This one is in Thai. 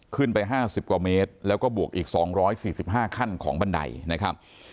ขึ้นไปห้าสิบกว่าเมตรแล้วก็บวกอีกสองร้อยสี่สิบห้าขั้นของบันไดนะครับ